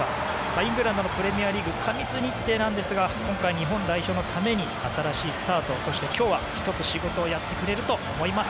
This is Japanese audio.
イングランドのプレミアリーグ過密日程ですが今回、日本代表のために新しいスタートそして今日は１つ仕事をやってくれると思います。